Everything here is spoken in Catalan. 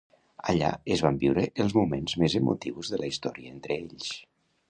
Allà es van viure els moments més emotius de la història entre ells.